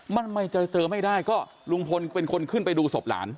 ทำไมจะเจอไม่ได้ก็ลุงพลเป็นคนขึ้นไปดูศพหลาน